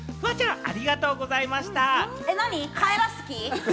フワちゃん、ありがとうございました。